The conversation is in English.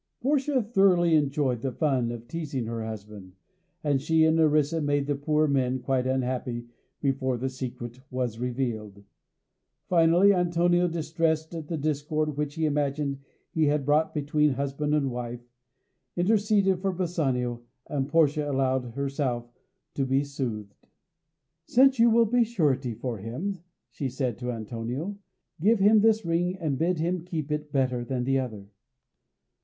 Portia thoroughly enjoyed the fun of teasing her husband, and she and Nerissa made the poor men quite unhappy before the secret was revealed. Finally Antonio, distressed at the discord which he imagined he had brought between husband and wife, interceded for Bassanio, and Portia allowed herself to be soothed. "Since you will be surety for him," she said to Antonio, "give him this ring, and bid him keep it better than the other."